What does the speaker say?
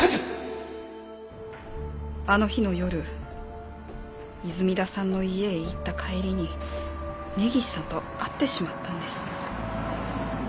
「あの日の夜泉田さんの家へ行った帰りに根岸さんと会ってしまったんです」